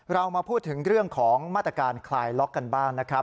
เรามาพูดถึงเรื่องของมาตรการคลายล็อกกันบ้างนะครับ